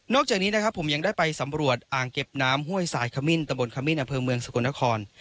จากนี้นะครับผมยังได้ไปสำรวจอ่างเก็บน้ำห้วยสายขมิ้นตะบนขมิ้นอำเภอเมืองสกลนคร